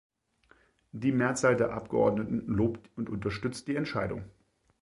Die Mehrzahl der Abgeordneten lobt und unterstützt die Entscheidung.